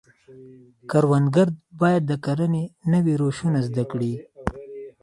کروندګر باید د کرنې نوي روشونه زده کړي.